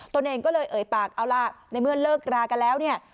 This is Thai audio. ตัวเองก็เลยเอ่ยปากเอาล่ะในเมื่อเลิกรากันแล้วเนี่ย